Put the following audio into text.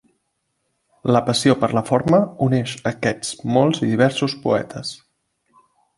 La passió per la forma uneix aquests molts i diversos poetes.